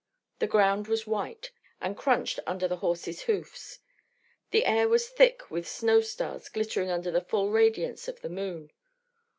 The ground was white, and crunched under the horses' hoofs. The air was thick with snow stars glittering under the full radiance of the moon.